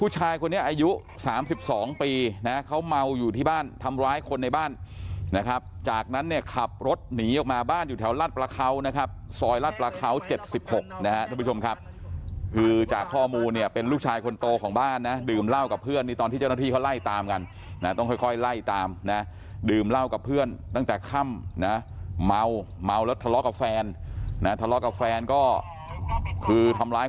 ชายคนนี้อายุ๓๒ปีนะเขาเมาอยู่ที่บ้านทำร้ายคนในบ้านนะครับจากนั้นเนี่ยขับรถหนีออกมาบ้านอยู่แถวรัฐประเขานะครับซอยรัฐประเขา๗๖นะฮะทุกผู้ชมครับคือจากข้อมูลเนี่ยเป็นลูกชายคนโตของบ้านนะดื่มเหล้ากับเพื่อนนี่ตอนที่เจ้าหน้าที่เขาไล่ตามกันนะต้องค่อยไล่ตามนะดื่มเหล้ากับเพื่อนตั้งแต่ค่ำนะเมาเมาแล้วทะเลาะกับแฟนนะทะเลาะกับแฟนก็คือทำร้าย